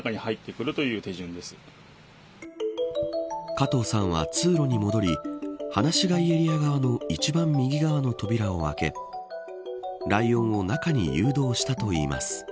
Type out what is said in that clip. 加藤さんは通路に戻り放し飼いエリア側の一番右側の扉を開けライオンを中に誘導したといいます。